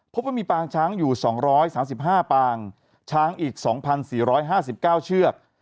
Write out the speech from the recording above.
พบว่ามีปางช้างอยู่๒๓๕ปางช้างอีก๒๔๕๙เชือก